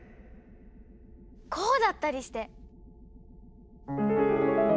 こうだったりして！